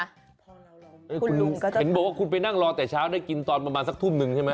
เห็นบอกว่าคุณไปนั่งรอแต่เช้าได้กินตอนประมาณสักทุ่มนึงใช่ไหม